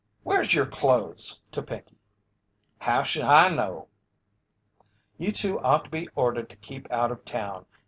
"Where's your clothes?" To Pinkey. "How'sh I know?" "You two ought to be ordered to keep out of town.